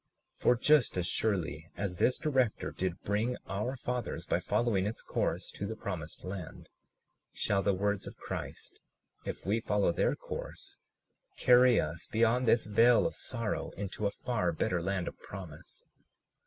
For just as surely as this director did bring our fathers, by following its course, to the promised land, shall the words of Christ, if we follow their course, carry us beyond this vale of sorrow into a far better land of promise.